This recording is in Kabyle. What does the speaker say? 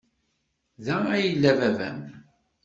Da ay yella baba-m?